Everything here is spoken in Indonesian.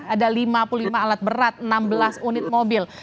ada lima puluh lima alat berat enam belas unit mobil